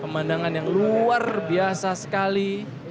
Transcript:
pemandangan yang luar biasa sekali